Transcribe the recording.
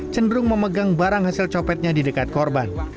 cenderung memegang barang hasil copetnya di dekat korban